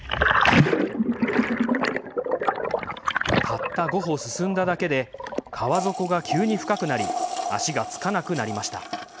たった５歩進んだだけで川底が急に深くなり足がつかなくなりました。